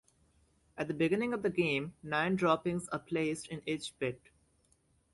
At the beginning of the game, nine droppings are placed in each pit.